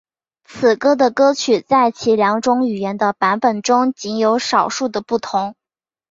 此歌的歌词在其两种语言的版本中仅有少许的不同。